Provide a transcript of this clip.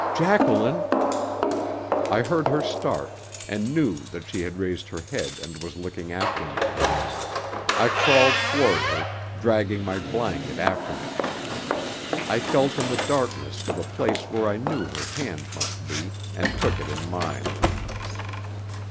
"Jacqueline!" I heard her start, and knew that she had raised her head and was looking after me. I crawled toward her, dragging my blanket after me. I felt in the darkness for the place where I knew her hand must be and took it in mine.